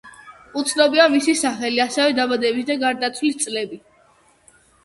უცნობია მისი სახელი, ასევე დაბადებისა და გარდაცვალების წლები.